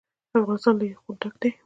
افغانستان له یاقوت ډک دی.